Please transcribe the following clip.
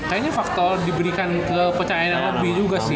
kayaknya faktor diberikan ke percayaan lb juga sih